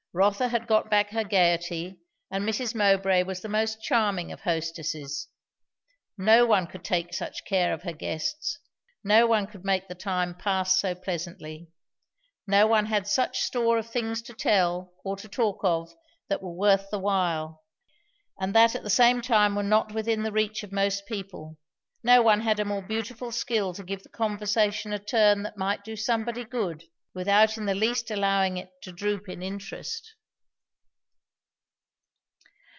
Rotha had got back her gayety, and Mrs. Mowbray was the most charming of hostesses. No one could take such care of her guests; no one could make the time pass so pleasantly; no one had such store of things to tell or to talk of, that were worth the while, and that at the same time were not within the reach of most people; no one had a more beautiful skill to give the conversation a turn that might do somebody good, without in the least allowing it to droop in interest.